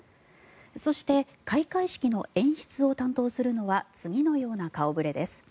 そして開会式の演出を担当するのは次のような顔触れです。